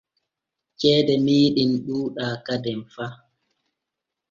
Ceede meeɗen ɗuuɗaa kaden fa.